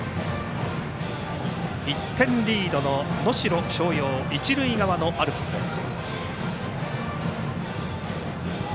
１点リードの能代松陽一塁側のアルプスです。